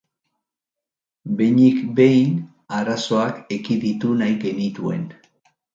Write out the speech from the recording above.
Behinik behin, arazoak ekiditu nahi genituen.